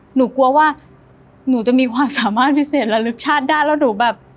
หนูกลัวว่าหนูจะมีความสามารถพิเศษระลึกชาติได้แล้วหนูแบบ